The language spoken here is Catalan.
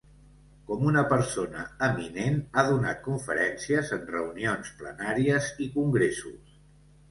Com una persona eminent ha donat conferències en reunions plenàries i congressos.